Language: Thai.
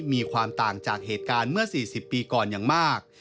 มีความต่างจากเหตุการณ์เมื่อ๔๐ปีก่อนอย่างมาก